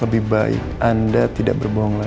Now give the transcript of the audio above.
lebih baik anda tidak berbohong lagi